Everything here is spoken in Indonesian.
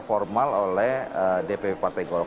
formal oleh dpp partai golkar